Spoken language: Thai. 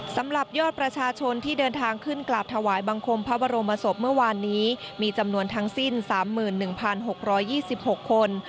สำหรับยอดประชาชนที่เดินทางขึ้นกราบถวายบังคมพระบรมศพเมื่อวานนี้มีจำนวนทั้งสิ้น๓๑๖๒๖คน